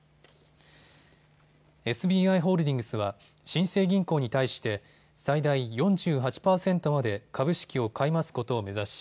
ＳＢＩホールディングスは新生銀行に対して最大４８％まで株式を買い増すことを目指し